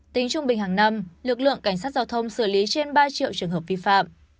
tính trung bình hàng năm lực lượng cảnh sát giao thông xử lý trên ba triệu trường hợp vi phạm